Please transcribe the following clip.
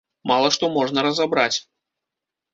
Мала што можна разабраць.